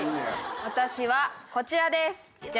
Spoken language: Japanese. ・私はこちらです。